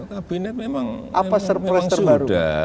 kabinet memang sudah